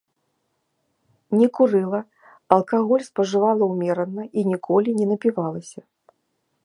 Не курыла, алкаголь спажывала ўмерана і ніколі не напівалася.